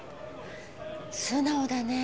素直だね。